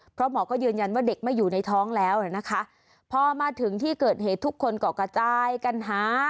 เพราะหมอก็ยืนยันว่าเด็กไม่อยู่ในท้องแล้วนะคะพอมาถึงที่เกิดเหตุทุกคนก็กระจายกันหา